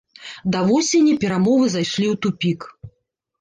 Да восені перамовы зайшлі ў тупік.